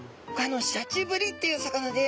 シャチブリっていう魚で。